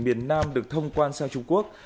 miền nam được thông quan sang trung quốc